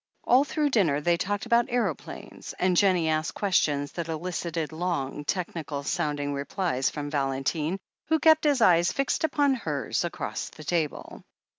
All through dinner they talked about aeroplanes, and Jennie asked questions that elicited long, technical sounding replies from Valentine, who kept his eyes fixed upon hers across the table.